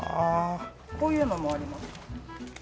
こういうのもあります。